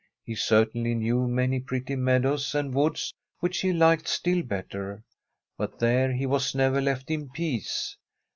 He certainly knew many pretty meadows and woods which he liked still better, but there he was never left in peace.